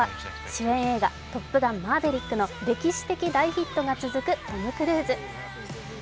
主演映画「トップガンマーヴェリック」の歴史的大ヒットが続くトム・クルーズ。